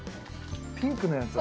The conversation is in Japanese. ピンクのやつは？